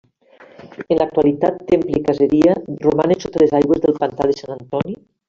En l'actualitat, temple i caseria romanen sota les aigües del pantà de Sant Antoni.